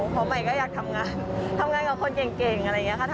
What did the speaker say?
เพราะใหม่ก็อยากทำงานทำงานกับคนเก่งอะไรอย่างนี้ค่ะ